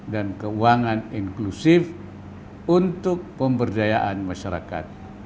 dan keuangan inklusif untuk pemberdayaan masyarakat